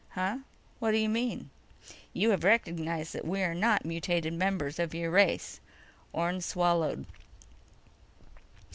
"Huh? What do you mean?" "You have recognized that we are not mutated members of your race." Orne swallowed.